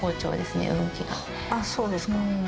あっそうですか。